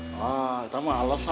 wah kita malesan ya